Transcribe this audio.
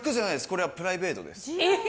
これはプライベートです。